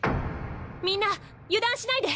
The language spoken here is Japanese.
みんな油断しないで！